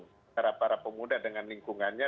untuk memperbaiki kekuasaan para pemuda dengan lingkungannya